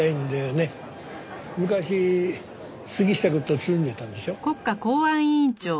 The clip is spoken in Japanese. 昔杉下くんとつるんでたんでしょ？